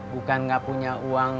bukan nggak punya uang